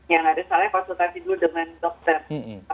yang ada soalnya konsultasi dulu dengan dokter